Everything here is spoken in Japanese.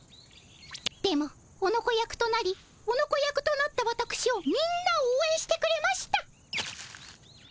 でもオノコ役となりオノコ役となったわたくしをみんなおうえんしてくれました。